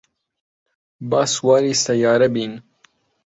با سواری سەیارە بین.